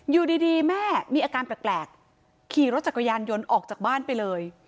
อยู่ดีแม่มีอาการแปลกขี่รถจักรยานยนต์ออกจากบ้านไปเลย